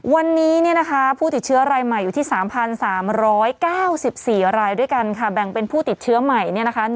วันนี้ผู้ติดเชื้อรายใหม่อยู่ที่๓๓๙๔รายด้วยกันแบ่งเป็นผู้ติดเชื้อใหม่